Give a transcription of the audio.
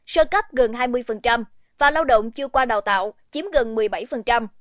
sơ cấp gần hai mươi và lao động chưa qua đào tạo chiếm gần một mươi bảy